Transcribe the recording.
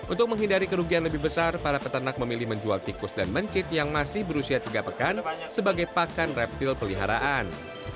untuk menghindari kerugian lebih besar para peternak memilih menjual tikus dan mencit yang masih berusia tiga pekan sebagai pakan reptil peliharaan